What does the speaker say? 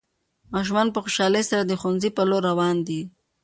ماشومان په خوشحالۍ سره د ښوونځي په لور روان دي.